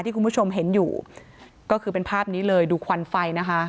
คุณผู้ชมเห็นอยู่ก็คือเป็นภาพนี้เลยดูควันไฟนะคะ